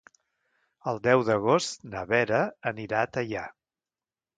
El deu d'agost na Vera anirà a Teià.